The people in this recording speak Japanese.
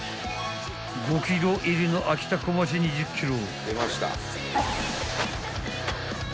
［５ｋｇ入りのあきたこまち２０ｋｇ］